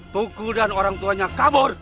tuku dan orang tuanya kabur